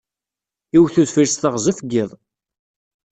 Iwet wedfel s teɣzef n yiḍ.